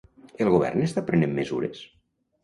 El govern està prenent mesures?